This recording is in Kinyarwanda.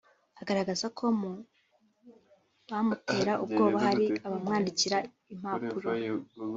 Agaragaza ko mu bamutera ubwoba hari abamwandikira impapuro